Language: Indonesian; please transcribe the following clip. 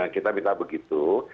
kita minta begitu